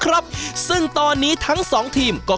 กลับเข้าสู่รายการออบาตอร์มาหาสนุกกันอีกครั้งครับ